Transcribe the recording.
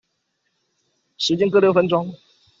時間各六分鐘